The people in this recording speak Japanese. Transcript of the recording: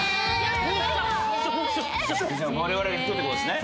じゃあ我々が引くって事ですね